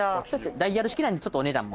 ダイヤル式なんでちょっとお値段も。